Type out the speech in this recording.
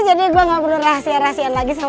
jadi gue gak perlu rahasia rahasian lagi sama andin